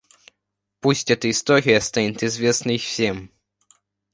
Пусть эта история станет известной всем.